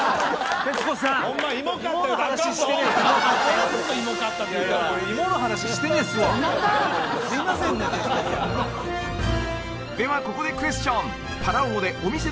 徹子さんではここでクエスチョン！